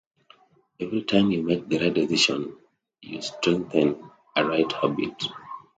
Every time you make the right decision, you strengthen a right habit...